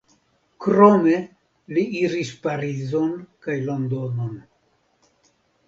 Krome li iris Parizon kaj Londonon.